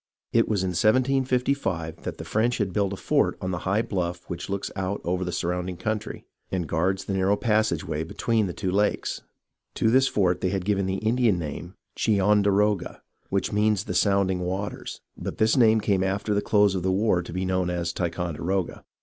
It was in 1755 that the French had built a fort on the high bluff which looks out over the surrounding country, and guards the narrow passageway between the two lakes. To this fort they had given the Indian name Cheonderoga, which means the sounding ivaters ; but this SI 52 HISTORY OF THE AMERICAN REVOLUTION name came after the close of the war to be known as Ticonderoga.